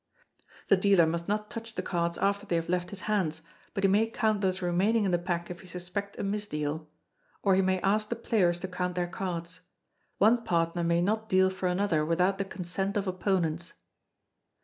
[The dealer must not touch the cards after they have left his hands; but he may count those remaining in the pack if he suspect a misdeal, or he may ask the players to count their cards. One partner may not deal for another without the consent of opponents.